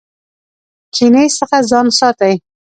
کینې څخه ځان ساتئ